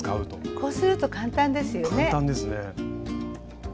こうすると簡単ですよね。